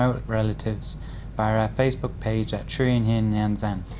hoặc địa chỉ email tạp chí gn a gmail com